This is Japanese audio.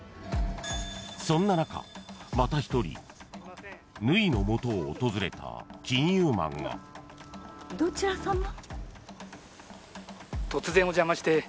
［そんな中また一人縫の元を訪れた金融マンが］どちらさま？